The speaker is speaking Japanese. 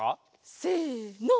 せの。